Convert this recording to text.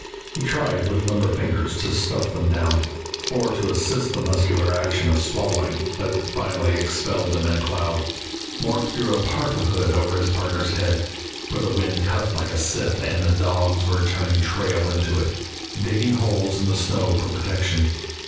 He tried with limber fingers to stuff them down, or to assist the muscular action of swallowing, but finally expelled them in a cloud. Mort drew the parka hood over his partner's head, for the wind cut like a scythe and the dogs were turning tail to it, digging holes in the snow for protection.